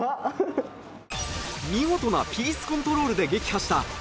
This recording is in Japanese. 見事なピースコントロールで撃破した